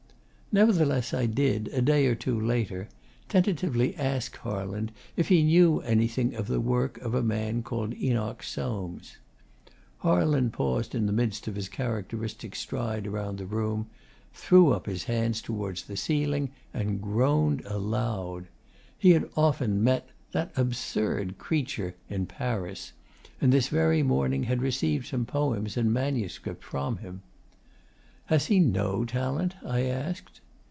Nevertheless, I did, a day or two later, tentatively ask Harland if he knew anything of the work of a man called Enoch Soames. Harland paused in the midst of his characteristic stride around the room, threw up his hands towards the ceiling, and groaned aloud: he had often met 'that absurd creature' in Paris, and this very morning had received some poems in manuscript from him. 'Has he NO talent?' I asked.